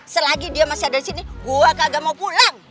selagi dia masih ada disini gua kagak mau pulang